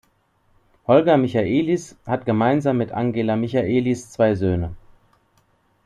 Holger Michaelis hat gemeinsam mit Angela Michaelis zwei Söhne.